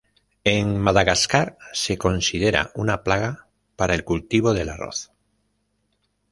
En Madagascar se considera una plaga para el cultivo del arroz.